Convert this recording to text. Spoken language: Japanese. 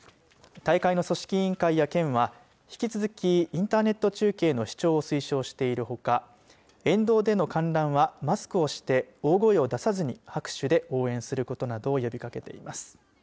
大会の組織委員会や県は引き続きインターネット中継の視聴を推奨しているほか沿道での観覧は、マスクをして大声を出さずに拍手で応援することなどを呼びかけています。